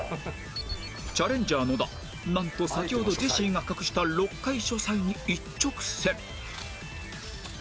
チャレンジャー野田なんと先ほどジェシーが隠した６階書斎に一直線